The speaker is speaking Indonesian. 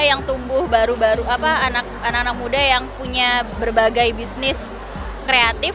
yang tumbuh baru baru anak anak muda yang punya berbagai bisnis kreatif